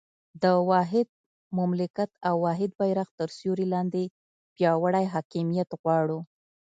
د واحد مملکت او واحد بېرغ تر سیوري لاندې پیاوړی حاکمیت غواړو.